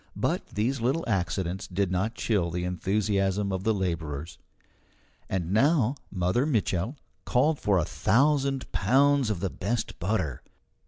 But these little accidents did not chill the enthusiasm of the labourers. And now Mother Mitchel called for a thousand pounds of the best butter.